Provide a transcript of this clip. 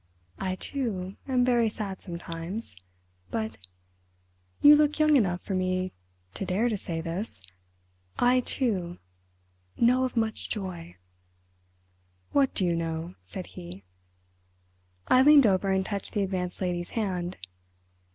I too am very sad sometimes—but—you look young enough for me to dare to say this—I—too—know of much joy!" "What do you know?" said he. I leaned over and touched the Advanced Lady's hand.